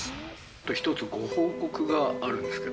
一つご報告があるんですけど。